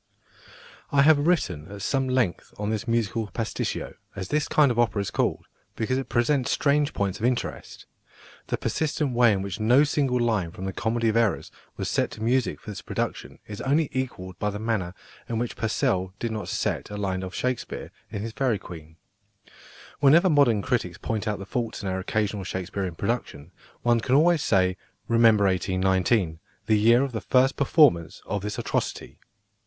I have written at some length on this musical "pasticcio," as this kind of opera is called, because it presents strange points of interest. The persistent way in which no single line from The Comedy of Errors was set to music for this production is only equalled by the manner in which Purcell did not set a line of Shakespeare in his Fairy Queen. Whenever modern critics point out the faults in our occasional Shakespearian productions, one can always say, "Remember 1819, the year of the first performance of this atrocity."